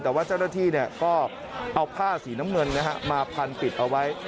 แต่ว่าเจ้าหน้าที่ก็เอาผ้าสีน้ำเงินมาพันปิดเอาไว้